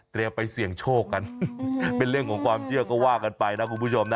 ไปเสี่ยงโชคกันเป็นเรื่องของความเชื่อก็ว่ากันไปนะคุณผู้ชมนะ